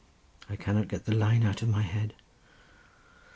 I cannot get the line out of my head."